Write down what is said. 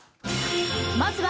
まずは。